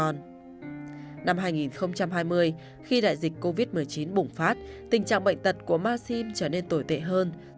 năm hai nghìn hai mươi khi đại dịch covid một mươi chín bùng phát tình trạng bệnh tật của maxim trở nên tồi tệ hơn